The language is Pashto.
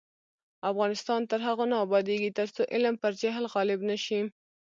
افغانستان تر هغو نه ابادیږي، ترڅو علم پر جهل غالب نشي.